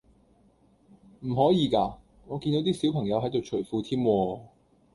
唔可以㗎？我見到啲小朋友喺度除褲添喎